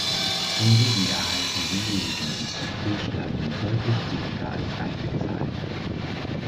Hingegen erhalten diejenigen, die zu früh sterben, deutlich weniger als eingezahlt.